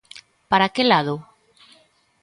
¿Para que lado?